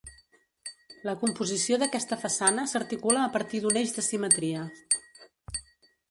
La composició d'aquesta façana s'articula a partir d'un eix de simetria.